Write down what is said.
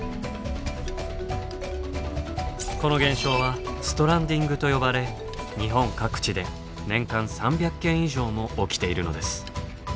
この現象はストランディングと呼ばれ日本各地で年間３００件以上も起きているのです。